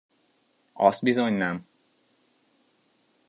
Azt bizony nem!